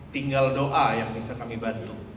tinggal doa yang bisa kami bantu